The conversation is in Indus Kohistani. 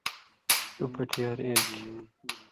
ݜُو پٹیۡ یار ایل کھیں